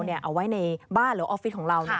เอาไว้ในบ้านหรือออฟฟิศของเรา